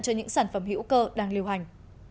cho những sản phẩm hữu cơ đang liêu hành